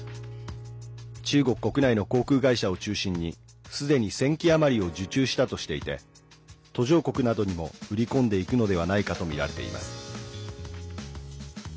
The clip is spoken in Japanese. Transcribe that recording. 中国国内の航空会社を中心にすでに１０００機余りを受注したとしていて途上国などにも売り込んでいくのではないかとみられています。